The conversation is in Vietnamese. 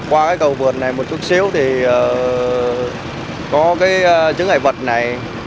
qua cái cầu vườn này một chút xíu thì có cái chứng hại vật này